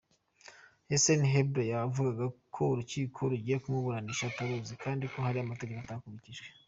Hissène Habré yavugaga ko urukiko rugiye kumuburanisha ataruzi kandi ko hari amategeko atakurikijwe.